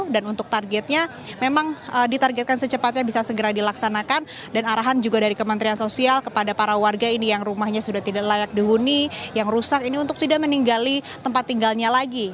dan untuk targetnya memang ditargetkan secepatnya bisa segera dilaksanakan dan arahan juga dari kementerian sosial kepada para warga ini yang rumahnya sudah tidak layak dihuni yang rusak ini untuk tidak meninggali tempat tinggalnya lagi